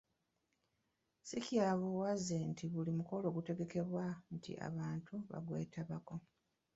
Si kya buwaze nti buli mukolo ogutegekebwa nti abantu bagwetabako.